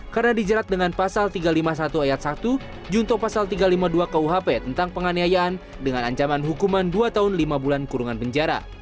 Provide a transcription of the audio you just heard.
karena dijerat dengan pasal tiga ratus lima puluh satu ayat satu junto pasal tiga ratus lima puluh dua kuhp tentang penganeian dengan ancaman hukuman dua tahun lima bulan kurungan penjara